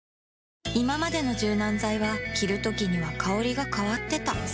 いままでの柔軟剤は着るときには香りが変わってた